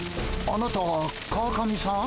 あなたは川上さん？